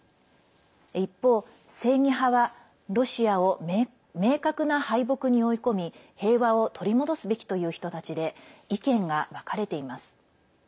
一方、正義派はロシアを明確な敗北に追い込み平和を取り戻すべきという人たちで意見が分かれています。